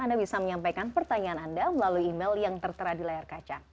anda bisa menyampaikan pertanyaan anda melalui email yang tertera di layar kaca